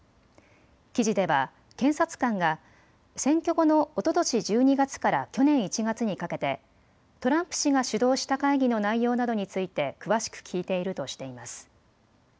記事では検察官が選挙後のおととし１２月から去年１月にかけてトランプ氏が主導した会議の内容などについて詳しく聞いているとしています。